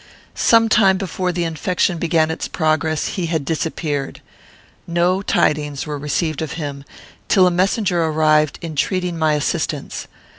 Some time before the infection began its progress, he had disappeared. No tidings were received of him, till a messenger arrived, entreating my assistance.